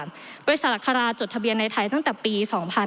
บริษัทอัคราจดทะเบียนในไทยตั้งแต่ปี๒๕๕๙